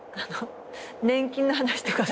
年金の話とかさ。